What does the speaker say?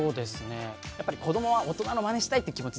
やっぱり子どもは大人のマネしたいって気持ち強いじゃないですか。